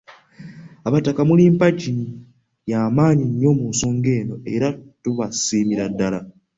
Abataka muli mpagi y'amannyi nnyo mu nsonga eno era tubasiimira ddala.